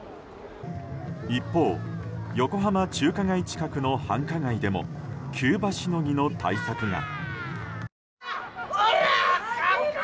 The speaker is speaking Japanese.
一方、横浜中華街近くの繁華街でも急場しのぎの対策が。